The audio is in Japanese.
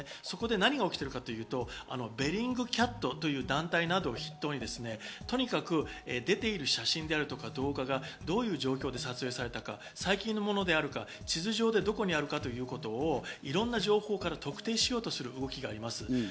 そこで何が起きてるかというと、ベリングキャットという団体などを筆頭にとにかく出ている写真であるとか動画がどういう状況で撮影されたのか、最近のものか、地図上でどこにあるかということをいろんな情報から特定しようとする向きがあります。